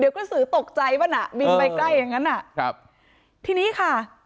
กระสือตกใจป่ะน่ะบินไปใกล้อย่างงั้นอ่ะครับทีนี้ค่ะ